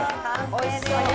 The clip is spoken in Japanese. おいしそう